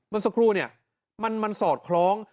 เมื่อสักครู่เนี่ยมันสอดคล้อง